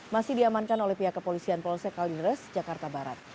masih diamankan oleh pihak kepolisian polsek kalideres jakarta barat